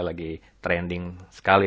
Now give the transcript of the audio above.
lagi trending sekali